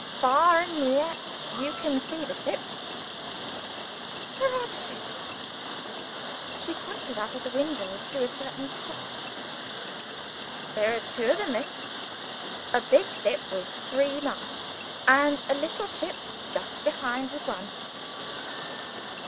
Far and near, you can see the ships." "Where are the ships?" She pointed, out of the window, to a certain spot. "There are two of them, Miss. A big ship, with three masts. And a little ship just behind, with one."